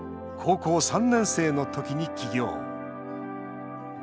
高校３年生のときに起業。